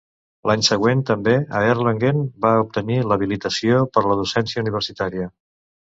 L'any següent, també a Erlangen, va obtenir l'habilitació per la docència universitària.